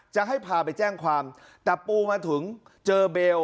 จะให้พาไปแจ้งความแต่ปูมาถึงเจอเบล